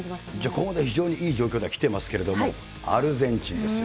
ここまで非常にいい状況で来てますけれども、アルゼンチンですよ。